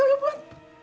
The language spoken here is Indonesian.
apa belum pun